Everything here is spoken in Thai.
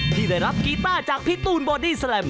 ที่ได้รับกีต้าจากพี่ตูนบอดี้แลม